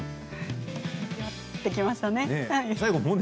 やってきましたね。